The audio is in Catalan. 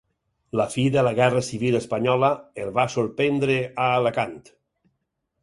La fi de la guerra civil espanyola el va sorprendre a Alacant.